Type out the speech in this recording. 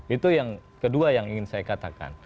itu yang kedua yang ingin saya katakan